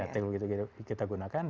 teknologi itu kita gunakan